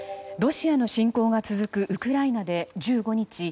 ロシアの侵攻が続くウクライナで１５日